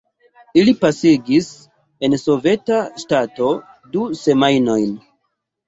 Ili pasigis en soveta ŝtato du semajnojn.